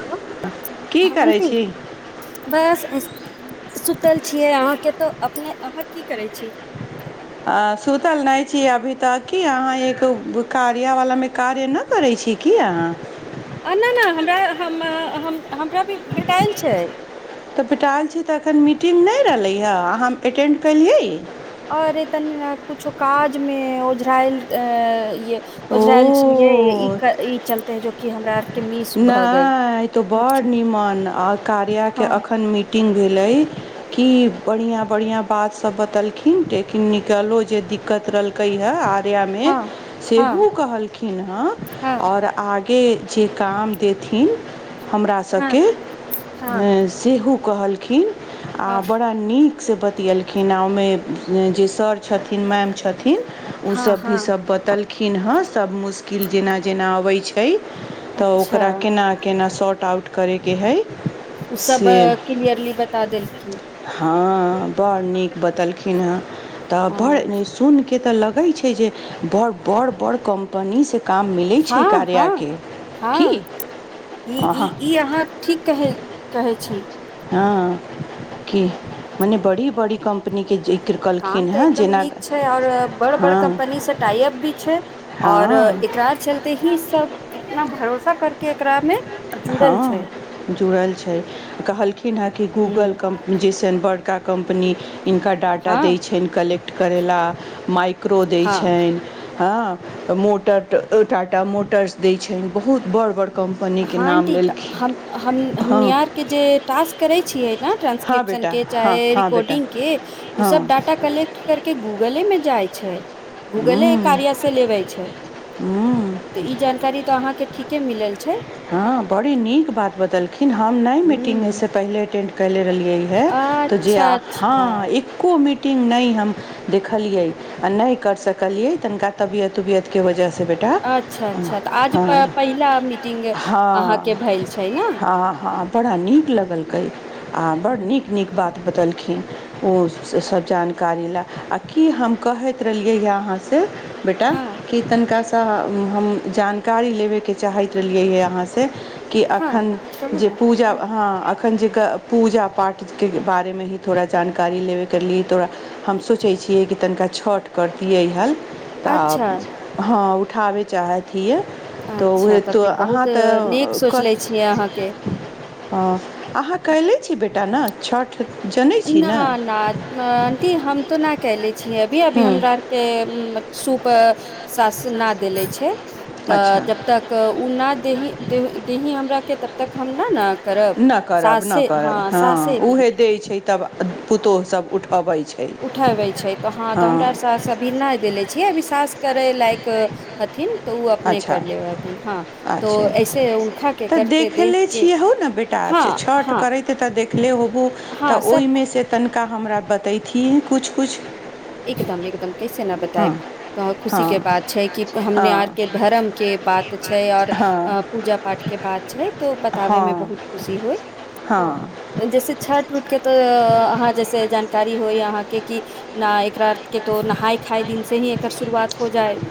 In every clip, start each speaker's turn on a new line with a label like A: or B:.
A: hello
B: की
A: हं
B: करै
A: आंटी
B: छी
A: बस सुतल छियै अहाँके तो अपने अहाँ की करै छ
B: सुतल नहि छी अभी तक कि अहाँ एक कारियावलामे कार ए न करै छी की अहा
A: नहि नहि हमरा हमरा भी बेटायल छ
B: तऽ पटल छी तऽ एखन मीटिंग नहि रहलै हा अहाँ हम अटेंड केलिय
A: और तन कुछो काज मे ओझरायल अ उजरायल छियै ई
B: ओ
A: ई चलत है जो कि हमरा के मिस भऽ गेल
B: नहि तो बड़ निमन आ कार्या के
A: हँ
B: अखन मि कटिंग भेल की बढ़िया बढ़िया बात सब बतेलखिन किन निकलो जे दिक्कत रहलके हे आ
A: हँ
B: सेहो
A: हँ
B: कहखिन हँ
A: हँ
B: आओ आग काम देथिन हमरा
A: हँ
B: सबके हँ सेहो कहलखि आ
A: हँ
B: बड़ नीकसँ बतियलखिन आ ओहिमे जे सर छथिन मैम छथि ओ
A: हँ
B: सभ
A: हँ
B: भी सभ बतेलखिन हँ सभ मुश्किल जेना जेना अबै छ तऽ
A: अच्छा
B: ओकरा केना केना शॉर्ट आउट करे के ह
A: ओ सब क्लियरली बता देल
B: हँ बड़ नीक बतेलखिन हँ तऽ
A: हँ
B: बड़ सु के तऽ लगै छै जे बड़ बड़ बड़ कम्पनीसँ काम मिलैत छै कार्या
A: हँ हँ ई ई अहाँ ठीक कह कहै छ
B: हँ की मने बड़ी बड़ी क
A: काम तऽ एकदम नीक छै आऔर बड़ बड़
B: हँ
A: कम्पनी से टाइअप भी छै और
B: हँ
A: एकरा चलते ही सब इतना भरोसा करके एकरा में
B: जुड़ल छै कहलखिनँ
A: हूँ
B: गूल एनबर्ड का कम्पनी इननक ड डाटा दै
A: हँ
B: छनि कलेक्ट करय लए माइक्रो दै
A: हँ
B: छनि ह क
A: हँ आंटी तऽ हम हम
B: हँ
A: हमनिहारहार के जे टास्क करै छिय
B: हँ
A: ट्रं्सक्रिप्शन
B: बेटा
A: के
B: हँ
A: चाहे
B: हँ बेटा
A: रिकॉर्डिंग के ओ सब
B: हँ
A: डाटा कलेक् करके गूगले मे जाइ छै गूगले कार्य से लेबै छ तऽ ई जानकारी तऽ अहाँके ठीके मिलल छ
B: हँ बड़ी नीक बात बतेलखिन हम नहि
A: हूँ
B: मीटिङंगगमेसँ पहिले अटेंड कले रहलिय है तो जे
A: अच्छा
B: आ
A: अच्छा
B: हँ ए मीटिंग नहि हम देखलियै आ नहि कर सकलियै त के वजहसँ बेटा ह
A: मीटिं अहाँ के भ छ
B: हँ हँ बड़ा नीक लगलकै आ बड़ नीक नीक बा बेटलखिन ओ सब जानकारी लए आ की हम कहैत रहलियै ह अहा बेटा
A: हँ
B: कि तनिका सँ हम जानकारी लेबै के चाहित रह लेलिए अहाँ से की
A: हँ
B: अखन
A: कहू
B: जे
A: ने
B: पूजा है अखन जकह पूजा पाठ के बारे मे ही थोड़ा जानकारी लेबे करली थोड़ हम सोचै छियै कि तनिका छठि करतियै ह तऽ
A: अच्छा
B: हँ उठाबै चाहैत हियै तऽ
A: अच्छा
B: उए
A: तब तऽ बहुत
B: हा
A: नीक
B: तऽ
A: सोचले छियै अहाँके
B: ह अहाँ कले छी बेटा न छ जन
A: न न आंटी हम तो न कले छीयै अभी अभी
B: ह्म
A: हमराआर के सूप साास न देले छै तऽ
B: अच्छा
A: जबतक तऽ ओ नहि देही देही हमराके तब तक हम नहि न करब
B: न करब नहि
A: सासे
B: करब हँ
A: सासे दिय
B: उहे दै छै तब पुतोहु सभ उठबैत छ
A: उठबै छै तऽ हँ तऽ हमरा अर सास अभी नहि देले छियै अभी सास करय लाय हथिन तऽ ओ अपने
B: अच्छा
A: कर लेबै हथिन हँ तो
B: अच्छा
A: ऐसे उनका के करते देख क
B: टा छठ करै तऽ देखले होबौ
A: हँ
B: तऽ
A: सब
B: ओहिमे से तनिका हमरा बतेतिै किछ किछ
A: एकदम एकदम कैसे न बता तऽ खुशी के
B: हँ
A: बात छै कि हमने आर
B: हँ
A: के धर्म के बात छै आ
B: हँ
A: ओ
B: हँ
A: अ पूजा पाठ के बात छै तऽ बताबे मे बहुत खुशी हो
B: ह
A: जैसे छठ उठ के तऽ अहाँ जैसे जानकारी होइ अहाँ के कि न एकर के तो नहाय खाय दिन से ही एकर शुरुआत हो जाए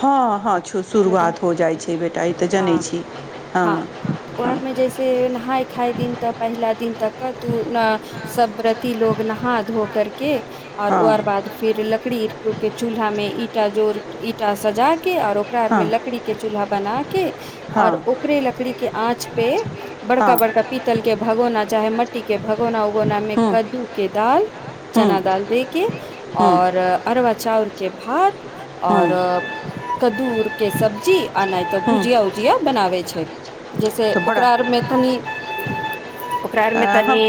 B: हँ हँ शुरुआत हो जाइ छै बेटा ई तऽ जनैत छी हँ
A: ओर मे जइसे नहाय खाय दिन तऽ पहिला दिन तऽ कद्द सब ब्रति लोग नहा धो करक और
B: हँ
A: ओकर बाद फिर लकड़ी के चूल्हां मे ईंटा जोर के ईटा सजा के औ ओ मे लकड़ी के चूल्हा बना क
B: हँ
A: और
B: हँ
A: ओकरे लकड़ी के आँच पे
B: हँ
A: बड़का बड़का पीतल के भगौना चाहे म मट्टी के भगौना उगोना में
B: हूँ
A: कद्दू के दाल
B: हूँ
A: चना दाल दे के
B: हूँ
A: औ अरवा चाउर के भात
B: हूँ
A: और कद्दूर के सब्जी आ नहि तऽ
B: हूँ
A: भुजिया ऊजिया बनाब छ जैसे
B: तऽ बड़ा
A: ओकरा आरमे तनी ओकरा आर
B: अ
A: मे तन
B: हम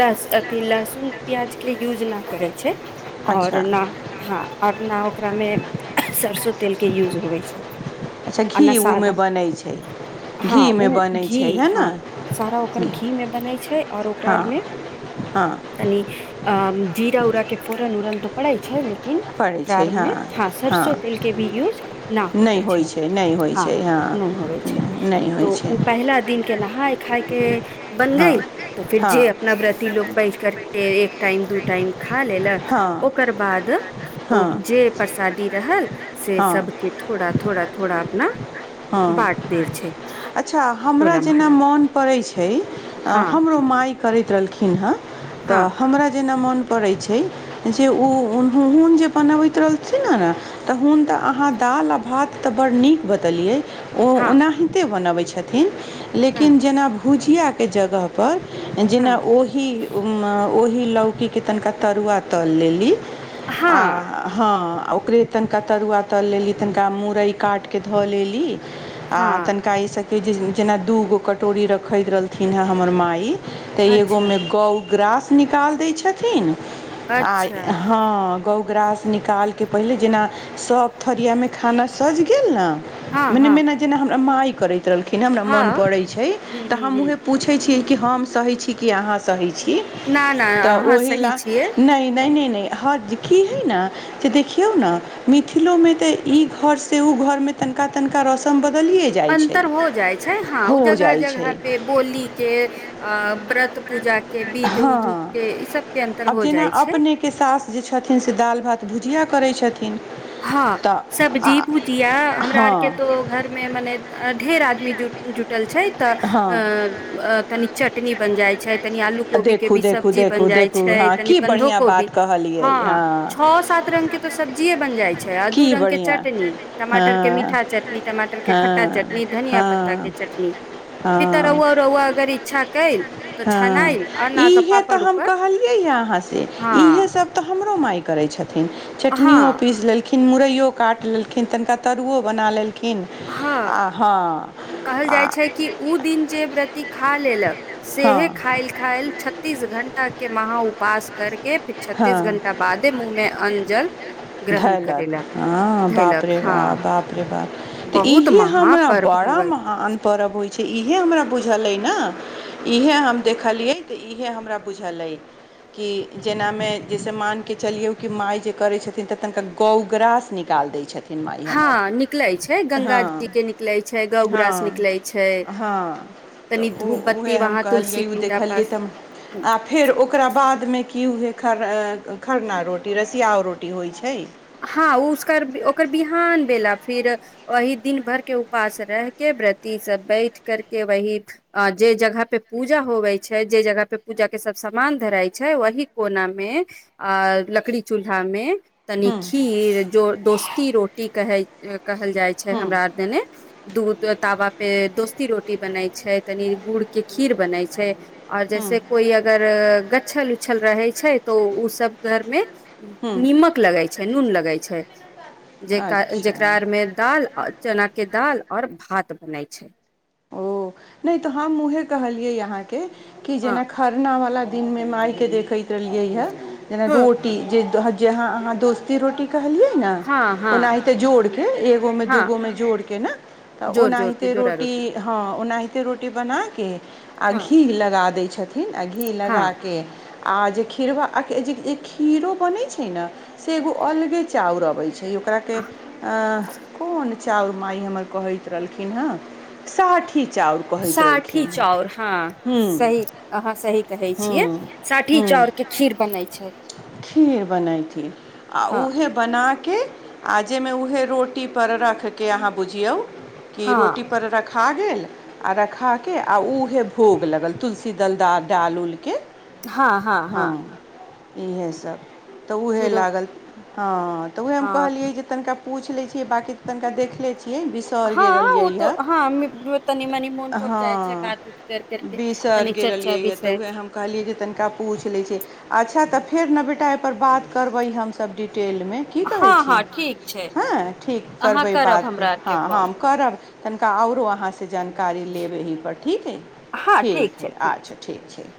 A: लहस अथि लहसुन प्याज के यूज नहि करै छै आ ओर
B: अच्छा
A: हँ आ ओर न ओकरा मे सरसो तेल के यूज होइ छ
B: अच्छा घी ओ बनैत छ
A: हँ ओ घी हँ सारा ओकर घी में बनै छै और ओकरा आर म
B: ह
A: तनी अ जीरा उरा के फोरन उरन तऽ पड़ाय छ लेकिन
B: पड़ै
A: ओकरा आ
B: छै
A: मे हँ सरसो तेल के भी यूज न
B: नहि
A: होवे
B: होइ
A: छै
B: नहि होइ
A: हँ
B: छै
A: नह होवे छै
B: नहि
A: त
B: होइ छै
A: ओ पहिला दि के नहाय खाय के बन
B: हँ
A: गई त फिर जे
B: हँ
A: अपने नवर्ती लोग बैठ करके एक टाइम दू टाइम खा लेल
B: हँ
A: ओकर बाद ओ
B: हँ
A: जे परसादी रहल से
B: हँ
A: स के थोड़ा थोड़ा थोड़ा अपन
B: हँ
A: बाट देव छ
B: अच्छा हमरा जेना मोन पड़ैत छै
A: हँ
B: हमरो माइ करैत रहलखिन हेँ तऽ
A: हँ
B: हमरा जेना मोन पड़ैत छ जे ओन जे बनबैत रहलथिन न तहुन तऽ अहाँ दालि आ भात तऽ बड्ड नीक बत
A: हँ
B: छथिन
A: हँ
B: पर जेना
A: हँ
B: ओहि ओहि लौकीके तनिका तरुआ तल लेली हँ आ ओकरे तनिका तरुआ तल लेली तनिका मुरइ काटिके धऽ लेल आ
A: हँ
B: तनिका ईसभके जेना दूगो कटोरी रखैत रहलथििन हेँ हमर मा तऽ
A: अच्छा
B: एगोमे गौ ग्रास निकालि दै छथि आ
A: अच्छा
B: ह गउ ग्रास निकालिक पहिले जेना सब थरियामे खाना सजि गेल न
A: हँ
B: मने
A: हँ
B: मेना जेना हमरा माइ करैत रहलखिन हँ हमरा मोन पड़ैत छै
A: हूँ
B: तऽ
A: हूँ
B: हम उहे
A: हूँ
B: पू छियै कि हम सहै छी अ सै छी
A: ना ना
B: तऽ
A: अहाँ
B: ओहि
A: सही छियै
B: लए ह की हय ने जे देखियौ ने मिथिलो मे तऽ ई घर से ओ घर में तनिका तनिका रौसम बदलिय
A: अन्तर हो जाइ छै हँ ओ जगह
B: छै
A: जगह प बोली के अ व्रत पूज के विध
B: हँ
A: उध के इ सब के अन्तर हो जाइ छ
B: के सास जे छथिन से दालि भात भुजिया करै छथि
A: हँ सब्जी भुजिया हमरा आरके
B: हँ
A: त घर मे मने ढेर आदमी जुटल छै तऽ
B: हँ
A: अ तन चटनी बन जाइ छ तल को के
B: देखू
A: भी
B: देखू
A: सब्जी ब
B: देखू देखू
A: छै
B: हँ
A: त
B: की
A: बन्ध
B: बढ़िआँ
A: कोबी
B: बात कहलियै
A: ह
B: हँ
A: छ तऽ सब्जीय बन जाइ छ दू
B: की
A: रंग के
B: बढ़िआँ
A: चटनी टमाटर के
B: हँ
A: मीठा चटनी टमाटर के
B: हँ
A: खट्टा चटनी धनिया पत्ता क
B: हँ
A: चटनी फ
B: हँ
A: तरौआरौआ अगर इच्छा क
B: हँ इहे तऽ हम
A: उपर
B: कहलियै ह अहाँ से इहे
A: हँ
B: सब
A: हँ
B: तखिन मुरैयो काटि लेलखिन तनिका तरुओ बना लेलखि किन
A: हँ
B: आ हँ
A: कहल
B: आ
A: जाइ छै कि ओ दिन जे व्रती खा लेलक
B: हँ
A: सेहे खायल खाय छ्तीस घंटा के मह उपास करके फेर छत्तीस
B: हँ
A: घं्टा बादे मुँहमे अंजल
B: धयलक हँ बाप रे
A: हँ
B: बा बाप रे त
A: बहुत
B: इह हमरा
A: महापर्व
B: बड़ा
A: होवे
B: महान पर्व होइ छै इहे हमरा बुझल अइ न इहे हम देखलियै तऽ इहे हमरा बुझलै क जेनामे जाहिस मानिकऽ चलियौ कि मााय जे करै छथिन तऽ तनिका गौगरास निकालि दै छथि
A: हँ निकले छै गंगा जी के निकले छै गौग्रास
B: हँ
A: निकले छै
B: हँ तऽ
A: तनी
B: ओ
A: धूप बत्ती
B: उएहे हम
A: वहां
B: कहलियै
A: तुलसी
B: ओ
A: पिंडा
B: देखलियै
A: पास
B: तऽ हम फेर ओकरा बादमे की होइ खरना रोटी रसियाउ रोटी होइ छ
A: हँ ओ उसकर ओकर बिहान भेला फि वहिी दिन भर के उपास रहके व्रती सब बैठ करके व अ जे जगह पे पूजा होवै छै जे जगह पे पूजा के सभ सामान धराइत छै वह कोना म आ लकड़ी चूल्हाम
B: हुँ
A: खीर जो दोस्ती रोटी कहै कहल जाइ छै
B: हुँ
A: हमरा आर देन दूध तावा पे दोस्ती रोटी बनै छै तनी गुड़ के खीर बनै छ आओर
B: हूँ
A: जैसे कोई अगर ग्छल उच्छल रहे छै तो ओ सब घर में
B: हूँ
A: नीमक लगै छै नून लगै छै जेक जेकरा
B: अच्छा
A: आर में दालि चना के दाल और भात बनाय छ
B: त
A: हँ
B: क खरना वालला दिनमे आइके देखैत रहलियै हँ जेना रोटी ज जे ह अहाँ दोस्ती रोटी कहलियै न
A: हँ हँ
B: ओनाहिते जोड़के एगो मे
A: हँ
B: दूगो मे जोड़के ने त
A: जोर जोर के
B: ओनाहिते
A: जोरा
B: रोटी हँ ओनाहिते रोटी बनाके आ
A: हँ
B: घी लगा दै छथि न अ घी
A: हँ
B: लगााक आ जे खीरवा खीरो बनैत छै ने से एगो अलगे चाउर अबैत छ ई ओकराके आँ कोन चाउर मााय हमर कहैत रहलखिन ह सठी चाउ
A: साठी चाउर हँ सही
B: ह्म
A: अहाँ सही कहै छिय
B: ह्म
A: साठी
B: ह्म
A: चाउर के खीर बनै छ
B: खीर बनाई आ
A: हँ
B: उहे बनाके आ जाहिमे उएहे रोटी पर राखके अहाँ बुझिय कि
A: हँ
B: रोटी पर रखा गेल आ रखा कऽ आ उएह भोग लगल तुलसी दल डाल उलक हँ इएहसभ तऽ उएह
A: खीरो
B: लागल हँ तऽ वएह हम
A: हँ
B: कहलियै जे तनिका पूछि लै छियै बाँकी तनिका देख लै छियै बिसर
A: हँ ओ तो
B: गेलियै
A: हँ मनी मोन पड़ जाइ छै
B: हँ
A: बात उत कर करके
B: बिशर
A: तनी चर्चा
B: गेलिियै ह तऽ
A: विषय
B: उएह ह कहलियै जे तनिका पूछ लै छ अच्छा तऽ फेर ने बेटा एहि परर बात करबै हमस डिटेल म की कहै
A: हँ
B: छी
A: हँ ठीक छै
B: हँ ठीक
A: अहाँ
B: करबै
A: करब
B: बात फेर
A: हमरा आरके
B: हँ
A: कॉल
B: हम कर तनिका आओरो अहाँसँ जानकारी लेब एहिपर ठीक हइ ठीक हइ अच्छा ठीक छै